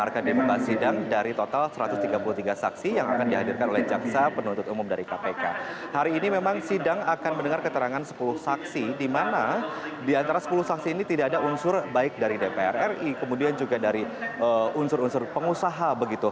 kemudian juga dari unsur unsur pengusaha